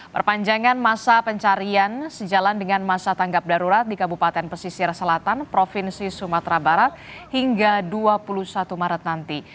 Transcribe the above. perpanjangan masa pencarian sejalan dengan masa tanggap darurat di kabupaten pesisir selatan provinsi sumatera barat hingga dua puluh satu maret nanti